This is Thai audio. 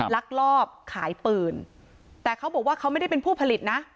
ลักลอบขายปืนแต่เขาบอกว่าเขาไม่ได้เป็นผู้ผลิตนะ